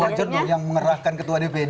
luar jarum yang mengerahkan ketua dpd